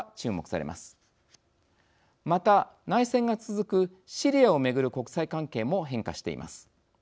また内戦が続くシリアを巡る国際関係も変化しています。